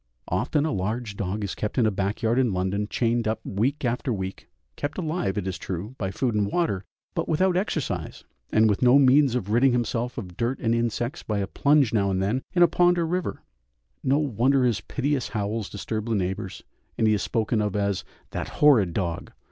Often a large dog is kept in a back yard in London chained up week after week kept alive, it is true, by food and water, but without exercise, and with no means of ridding himself of dirt and insects by a plunge now and then into a pond or river. No wonder his piteous howls disturb the neighbours, and he is spoken of as "that horrid dog!"